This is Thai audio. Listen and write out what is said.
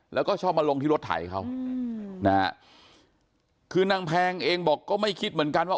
แล้วก็ชอบมาลงที่รถไถเขานะฮะคือนางแพงเองบอกก็ไม่คิดเหมือนกันว่า